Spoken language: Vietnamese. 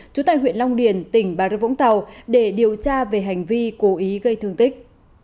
trú tại huyện long điền tỉnh bà rất vũng tàu để điều tra về hành vi cố ý gây thương tích